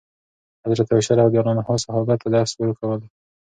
حضرت عایشه رضي الله عنها صحابه ته درس ورکول.